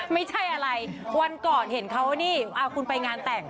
ไม่ใช่อะไรวันก่อนเห็นเขานี่คุณไปงานแต่ง